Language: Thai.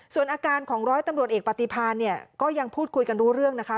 ส่วนอาการของร้อยตำรวจเอกปฏิพานเนี่ยก็ยังพูดคุยกันรู้เรื่องนะคะ